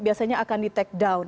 biasanya akan di take down